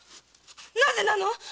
なぜなの。